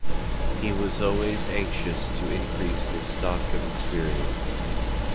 He was always anxious to increase his stock of experience.